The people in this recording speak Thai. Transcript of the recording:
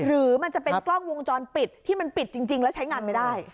หรือมันจะเป็นกล้องวงจรปิดที่มันปิดจริงแล้วใช้งานไม่ได้